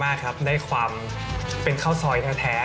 มากครับได้ความเป็นข้าวซอยแท้